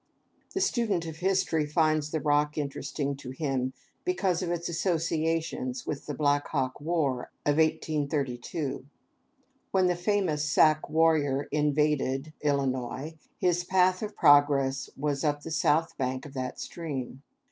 The student of history finds the Rock interesting to him because of its associations with the Black Hawk war of 1832. When the famous Sac warrior "invaded" Illinois, his path of progress was up the south bank of that stream.